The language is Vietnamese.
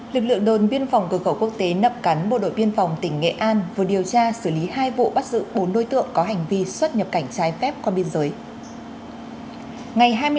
lực lượng đồn biên phòng cửa khẩu quốc tế nậm cắn bộ đội biên phòng tỉnh nghệ an vừa điều tra xử lý hai vụ bắt giữ bốn đối tượng có hành vi xuất nhập cảnh trái phép qua biên giới